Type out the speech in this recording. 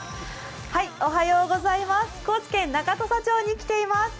高知県中土佐町に来ています。